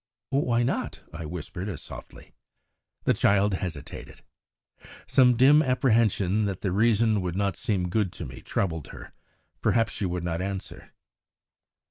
"Why not?" I whispered as softly. The child hesitated. Some dim apprehension that the reason would not seem good to me troubled her, perhaps, for she would not answer.